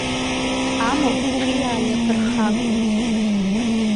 Амахә-ҿиаа иаԥырхагоуп.